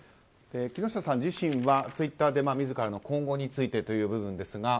木下さん自身はツイッターで自らの今後についてという部分。